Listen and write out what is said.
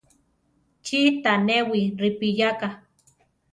¿Chí tanéwi ripiyáka.